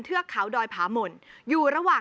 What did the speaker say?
แก้ปัญหาผมร่วงล้านบาท